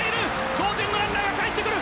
同点のランナーがかえってくる。